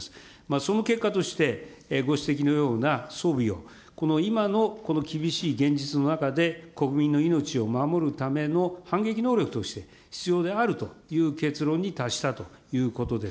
その結果として、ご指摘のような装備を、この今の、この厳しい現実の中で、国民の命を守るための反撃能力として必要であるという結論に達したということです。